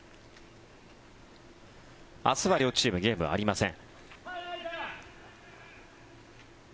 明日は両チームゲームはありません。